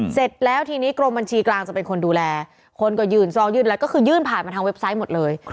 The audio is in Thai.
เสร็จแล้วทีนี้กรมบัญชีกลางจะเป็นคนดูแลคนก็ยื่นซองยื่นอะไรก็คือยื่นผ่านมาทางเว็บไซต์หมดเลย